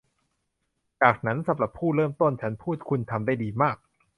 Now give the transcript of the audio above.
'จากนั้นสำหรับผู้เริ่มต้น' ฉันพูด 'คุณทำได้ดีมาก'